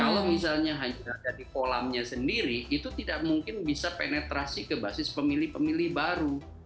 kalau misalnya hanya ada di kolamnya sendiri itu tidak mungkin bisa penetrasi ke basis pemilih pemilih baru